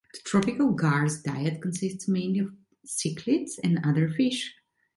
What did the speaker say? The tropical gar's diet consists mainly of cichlids and other fish.